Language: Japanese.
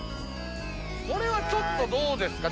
これはちょっとどうですか？